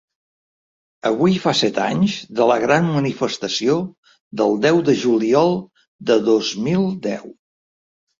Avui fa set anys de la gran manifestació del deu de juliol de dos mil deu.